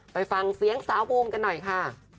ไปฟังเสียงสาวบูมกันหน่อยค่ะ